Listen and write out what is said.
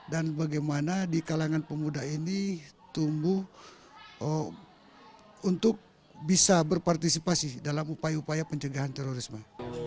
dan bagaimana di kalangan pemuda ini tumbuh untuk bisa berpartisipasi dalam upaya upaya pencegahan terorisme